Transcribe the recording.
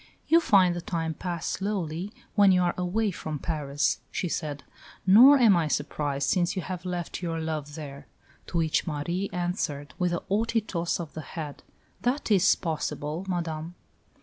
"You find the time pass slowly when you are away from Paris," she said; "nor am I surprised, since you have left your lover there"; to which Marie answered with a haughty toss of the head, "That is possible, Madame."